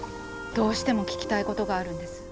どうしても聞きたいことがあるんです。